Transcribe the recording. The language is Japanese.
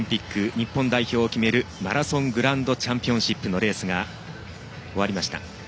日本代表を決めるマラソングランドチャンピオンシップのレースが終わりました。